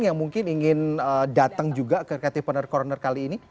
yang mungkin ingin datang juga ke creative partner corner kali ini